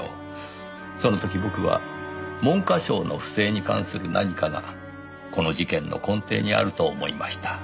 その時僕は文科省の不正に関する何かがこの事件の根底にあると思いました。